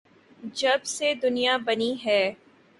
جب سے دنیا بنی ہے۔